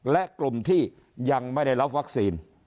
และกลุ่มที่ยังไม่ได้รับวัคซีน